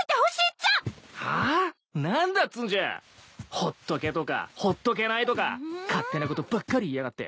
ほっとけとかほっとけないとか勝手なことばっかり言いやがって。